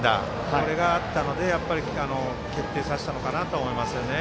これがあったので決定させたのかなと思います。